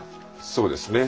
そうですね。